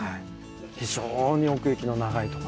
非常に奥行きの長い所。